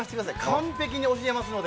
完璧に教えますので。